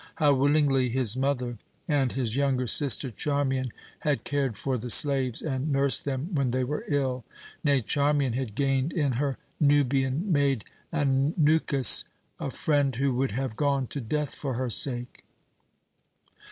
How willingly his mother and his younger sister Charmian had cared for the slaves and nursed them when they were ill; nay, Charmian had gained in her Nubian maid Aniukis a friend who would have gone to death for her sake!